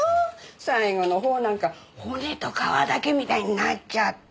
最後のほうなんか骨と皮だけみたいになっちゃって。